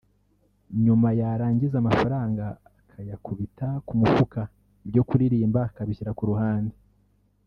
nyuma yarangiza amafaranga akayakubita ku mufuka ibyo kuririmba akabishyira ku ruhande